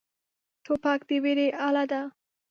توپک د ویرې اله دی.